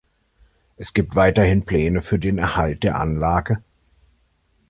Es gibt weiterhin Pläne für den Erhalt der Anlage.